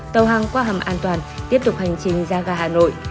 tàu hàng qua hầm an toàn tiếp tục hành trình ra gà hà nội